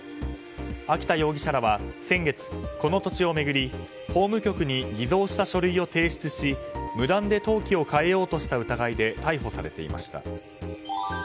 秋田容疑者らは先月この土地を巡り法務局に偽造した書類を提出し無断で登記を変えようとした疑いで逮捕されていました。